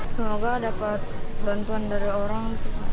semoga dapat bantuan dari orang